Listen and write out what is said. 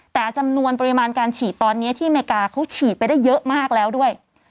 แต่จำนวนปริมาณการฉีดตอนนี้ที่อเมริกาเขาฉีดไปได้เยอะมากแล้วด้วย